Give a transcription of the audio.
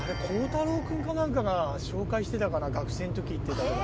孝太郎くんかなんかが紹介してたかな学生のとき行ってた。